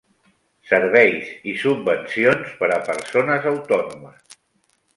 Serveis i subvencions per a persones autònomes.